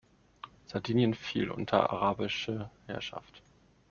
Sardinien fiel unter arabische Herrschaft.